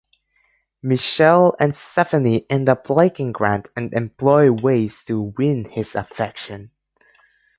Michelle and Stephanie end up liking Grant and employ ways to win his affection.